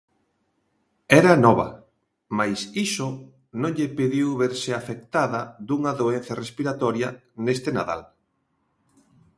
Era nova, mais iso non lle pediu verse afectada dunha doenza respiratoria neste Nadal.